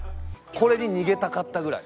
これに逃げたかったぐらい。